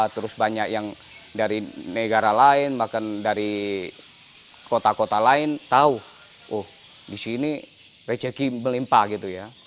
terus banyak yang dari negara lain bahkan dari kota kota lain tahu oh di sini rezeki melimpa gitu ya